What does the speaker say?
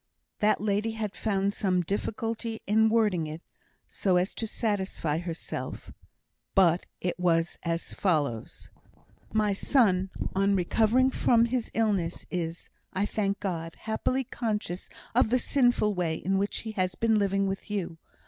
That lady had found some difficulty in wording it, so as to satisfy herself, but it was as follows: My son, on recovering from his illness, is, I thank God, happily conscious of the sinful way in which he has been living with you.